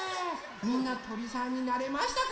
みんなとりさんになれましたか？